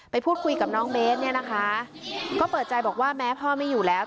พูดคุยกับน้องเบสเนี่ยนะคะก็เปิดใจบอกว่าแม้พ่อไม่อยู่แล้ว